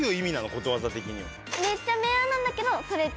ことわざ的には。